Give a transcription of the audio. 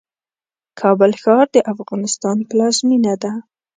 کابل ښار د افغانستان پلازمېنه ده